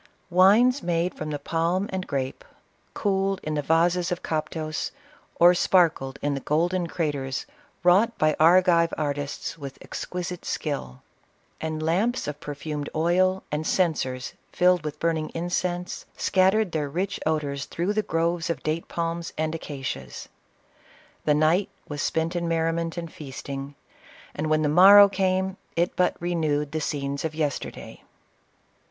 Wines made from the palm and grape, cooled in the vases of Cop tos, or sparkled in the golden craters wrought by Ar gi\rc artists with exquisite skill; and lamps of per fumed oil, and censers filled with burning incense, scattered their rich odors through the groves of date palms and acacias. The night was spent in merriment and feasting, and when the morrow came, it but re newed the scenes of yesterday.